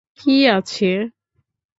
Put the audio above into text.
কী আছে?